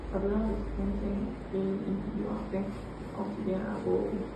La dura resistencia en Zhili impidió a Feng auxiliar a Guo.